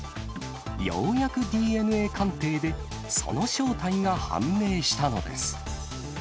ようやくＤＮＡ鑑定でその正体が判明したのです。